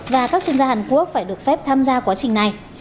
và các chuyên gia hàn quốc phải được phép tham gia quá trình này